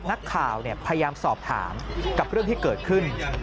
นักข่าวพยายามสอบถามกับเรื่องที่เกิดขึ้น